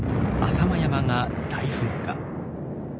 浅間山が大噴火。